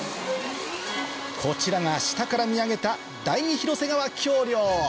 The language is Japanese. こちらが下から見上げた第二広瀬川橋梁